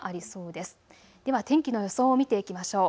では天気の予想を見ていきましょう。